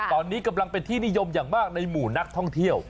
ตอนนี้กำลังเป็นที่นิยมอย่างมากในหมู่นักท่องเที่ยว